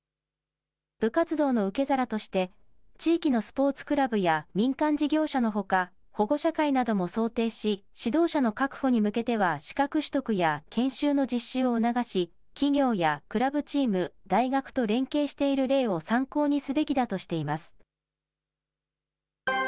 部活動の受け皿として、地域のスポーツクラブや民間事業者のほか、保護者会なども想定し、指導者の確保に向けては、資格取得や研修の実施を促し、企業やクラブチーム、大学と連携している例を参考にすべきだとしています。